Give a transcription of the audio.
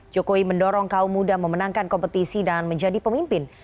jokowi mendorong kaum muda memenangkan kompetisi dan menjadi pemimpin